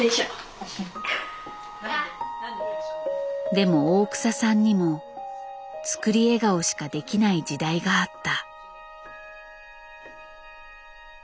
でも大草さんにも作り笑顔しかできない時代があった。